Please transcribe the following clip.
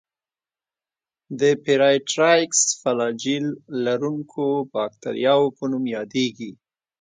د پېرایټرایکس فلاجیل لرونکو باکتریاوو په نوم یادیږي.